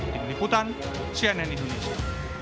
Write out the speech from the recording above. tim liputan cnn indonesia